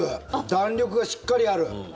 弾力がしっかりある。